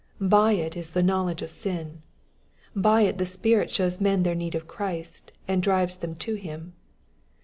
By it is the knowledge of sin. By it the Spirit Bhows men their need of Christ, and drives them to Him.